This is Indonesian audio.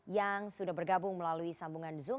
yang sudah bergabung melalui sambungan zoom